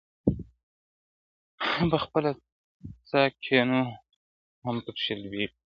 هم پخپله څاه کینو هم پکښي لوېږو -